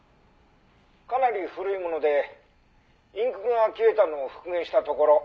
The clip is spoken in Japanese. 「かなり古いものでインクが消えたのを復元したところ」